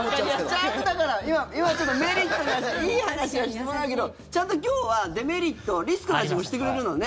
ちゃんとだから今、メリットの話いい話はしてもらうけどちゃんと今日はデメリットリスクの話もしてくれるのね。